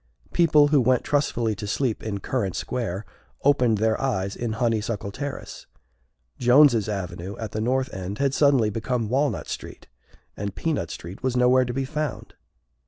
People who went trustfully to sleep in Currant Square opened their eyes in Honeysuckle Terrace. Jones's Avenue at the north end had suddenly become Walnut Street, and Peanut Street was nowhere to be found.